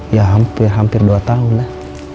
ya hampir hampir dua tahun lah